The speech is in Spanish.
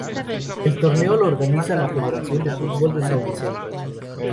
El torneo lo organiza la federación de fútbol de São Vicente.